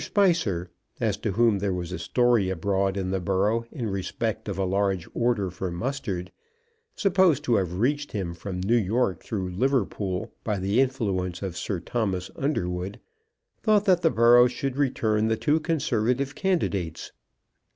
Spicer, as to whom there was a story abroad in the borough in respect of a large order for mustard, supposed to have reached him from New York through Liverpool by the influence of Sir Thomas Underwood, thought that the borough should return the two conservative candidates.